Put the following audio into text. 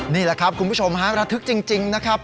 นี่แหละครับคุณผู้ชมฮะระทึกจริงนะครับ